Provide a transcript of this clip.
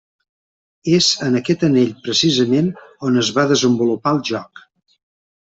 És en aquest anell precisament on es va desenvolupar el joc.